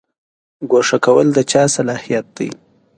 ګوښه کول د چا صلاحیت دی؟